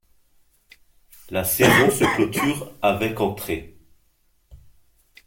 La saison se clôture avec entrées.